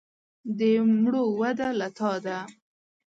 د مړو وده له تا ده.